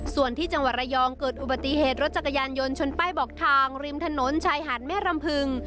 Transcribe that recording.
ส่วนที่จังหวัดระยองเกิดอุบัติเหตุรถจักรยานยนต์ชนป้ายบอกทางริมถนนชายหาดแม่รำพึง